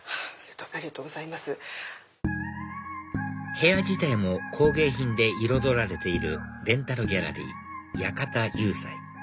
部屋自体も工芸品で彩られているレンタルギャラリー館・游彩